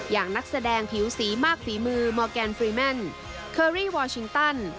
นักแสดงผิวสีมากฝีมือมอร์แกนฟรีแมนเคอรี่วอร์ชิงตัน